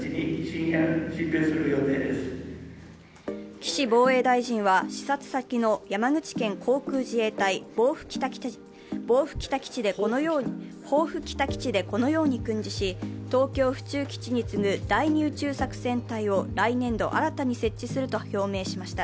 岸防衛大臣は視察先の山口県航空自衛隊・防府北基地でこのように訓示し、東京・府中基地に次ぐ第２宇宙作戦隊を来年度新たに設置すると表明しました。